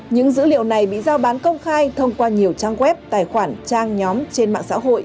những dữ liệu này bị giao bán công khai thông qua nhiều trang web tài khoản trang nhóm trên mạng xã hội